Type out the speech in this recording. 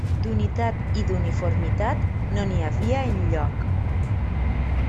D'unitat i d'uniformitat, no n'hi havia enlloc.